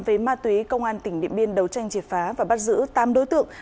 về ma túy công an tỉnh điện biên đấu tranh triệt phá và bắt giữ tám đối tượng